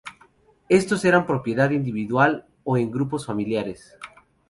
Estos eran de propiedad individual o en grupos familiares.